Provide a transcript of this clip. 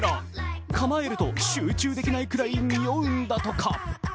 構えると集中できないぐらいにおうんだとか。